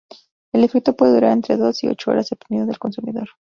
El efecto puede durar entre dos y ocho horas, dependiendo del consumidor.